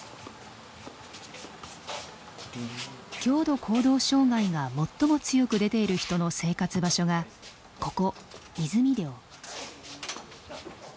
強度行動障害が最も強く出ている人の生活場所がここ泉寮。